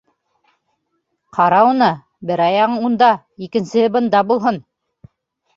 Ҡара уны, бер аяғың унда, икенсеһе бында булһын!